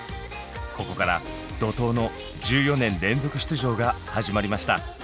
ここから怒とうの１４年連続出場が始まりました。